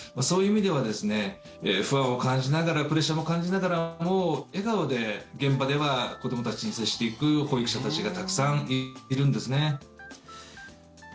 そういう意味では不安を感じながらプレッシャーも感じながらも笑顔で現場では子どもたちに接していく保育士たちがたくさんいるんですね。